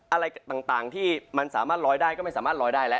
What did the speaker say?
อะไรต่างที่มันสามารถลอยได้ก็ไม่สามารถลอยได้แล้ว